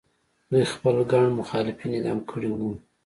دوی خپل ګڼ مخالفین اعدام کړي وو.